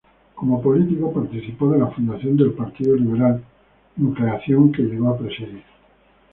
Como político, participó de la fundación del Partido Liberal, nucleación que llegó a presidir.